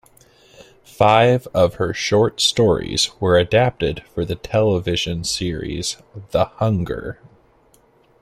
Five of her short stories were adapted for the television series "The Hunger".